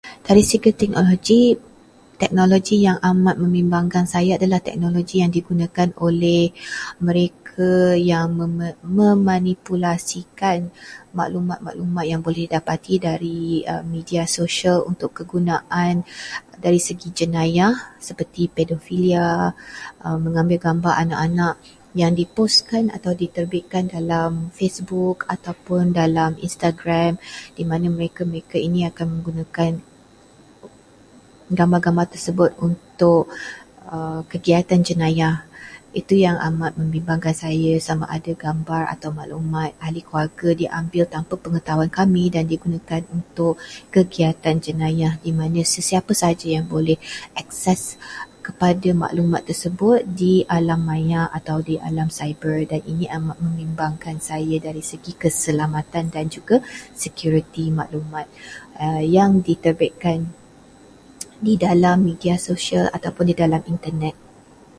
"Dari segi teknologi, teknologi yang amat membimbangkan saya adalah teknologi yang digunakan oleh mereka yang mema- memanipulasikan maklumat-maklumat yang boleh didapati dari media sosial untuk kegunaan dari segi jenayah, seperti pedofilia, mengambil gambar anak-anak yang di""post""kan dan diterbitkan dalam Facebook ataupun dalam Instagram, di mana mereka-mereka ini akan menggunakan gambar-gambar tersebut untuk kegiatan jenayah. Itu yang amat membimbangkan saya. Sama ada gambar atau maklumat ahli keluarga diambil tanpa pengetahuan kami dan digunakan untuk kegiatan jenayah, di mana sesiapa sahaja yang boleh akses kepada maklumat tersebut di alam maya atau di alam siber. Ini amat membimbangkan saya dari segi keselamatan dan juga sekuriti maklumat yang diterbitkan di dalam media sosial ataupun di dalam Internet."